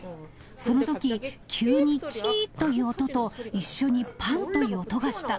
そのとき、急にキーっという音と、一緒にぱんっという音がした。